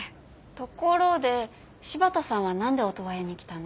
ところで柴田さんは何でオトワヤに来たの？